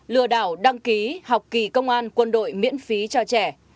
lừa đảo đăng ký học kỳ công an quân đội miễn phí cho trẻ